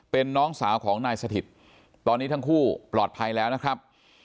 เป็นน้องสาวของนายสถิตตอนนี้ทั้งคู่ปลอดภัยแล้วนะครับ